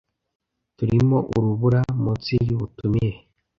Turimo urubura munsi yubutumire.